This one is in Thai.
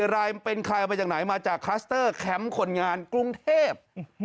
รายเป็นใครเอามาจากไหนมาจากคลัสเตอร์แคมป์คนงานกรุงเทพ